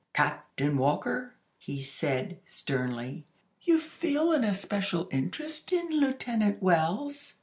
"Captain Walker," he said, sternly, "you feel an especial interest in Lieutenant Wells.